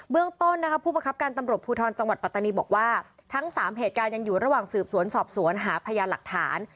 เรื่องต้นนะครับผู้ประคับการตำรวจภูทรจังหวัดปัตตานีบอกว่าทั้ง๓เหตุการณ์ยังอยู่ระหว่างสืบสวนสอบสวนหาพยานหลักฐาน